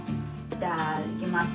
じゃあいきます。